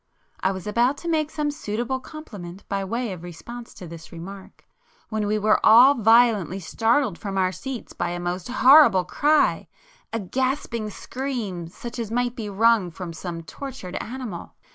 [p 160]I was about to make some suitable compliment by way of response to this remark, when we were all violently startled from our seats by a most horrible cry,—a gasping scream such as might be wrung from some tortured animal.